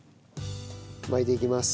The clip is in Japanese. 巻いていきます。